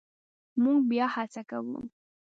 مونږ بیا هڅه کوو